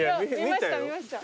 見ました